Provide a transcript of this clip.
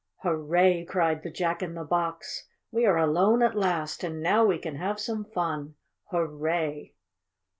"Hurray!" cried the Jack in the Box. "We are alone at last and now we can have some fun! Hurray!"